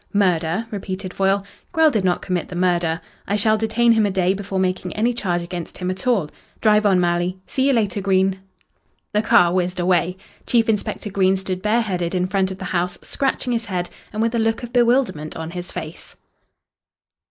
"Murder?" repeated Foyle. "Grell did not commit the murder. I shall detain him a day before making any charge against him at all. Drive on, Malley. See you later, Green." The car whizzed away. Chief Inspector Green stood bare headed in front of the house, scratching his head, and with a look of bewilderment on his face.